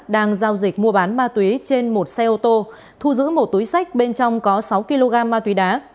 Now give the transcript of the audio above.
đang giao dịch mua bán ma túy trên một xe ô tô thu giữ một túi sách bên trong có sáu kg ma túy đá